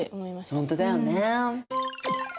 本当だよね。